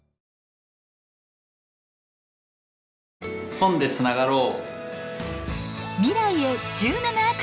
本でつながろう！